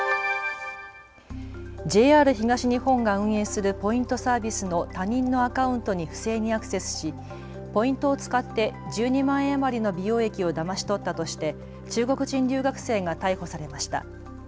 ＪＲ東日本が運営するポイントサービスの他人のアカウントに不正にアクセスしポイントを使って１２万円余りの美容液をだまし取ったとして中国人留学生が逮捕されました。